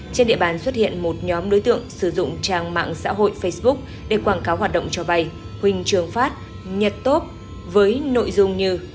trên địa bàn xuất hiện một nhóm đối tượng sử dụng trang mạng xã hội facebook để quảng cáo hoạt động cho vay huỳnh trường phát nhật tốt với nội dung như